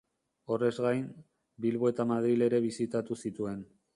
Horrez gain, Bilbo eta Madril ere bisitatu zituen.